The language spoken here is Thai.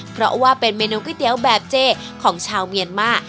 เพราะว่าเป็นเมนูก๋วยเตี๋ยวแบบเจของชาวเมียนมา